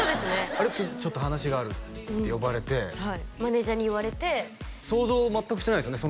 あれってちょっと話があるって呼ばれてマネージャーに言われて想像は全くしてないですよね